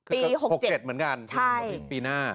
ปีหกเจ็ดเหมือนกันใช่ปีหน้า